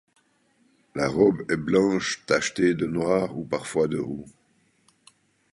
La robe est blanche tachetée de noir ou parfois de roux.